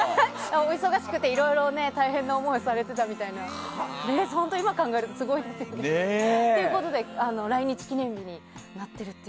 お忙しくていろいろ大変な思いをされてたみたいで今考えるとすごいですよね。ということで来日記念日になっていると。